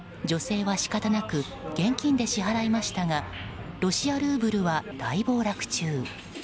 女性は仕方なく現金で支払いましたがロシアルーブルは大暴落中。